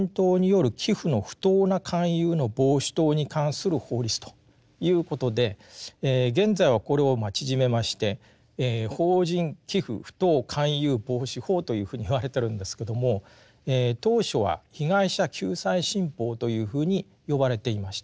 この新法はですねということで現在はこれを縮めまして「法人寄附不当勧誘防止法」というふうに言われてるんですけども当初は「被害者救済新法」というふうに呼ばれていました。